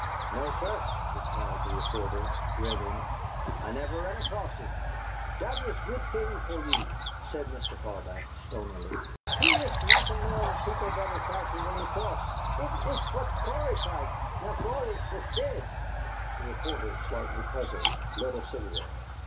"No, sir," replied the reporter, grinning. "I never ran across him." "Dot iss a goot t'ing fer you," said Mr. Farbach, stonily. "He iss not a man peobles bedder try to run across. It iss what Gory tried. Now Gory iss dead." The reporter, slightly puzzled, lit a cigarette.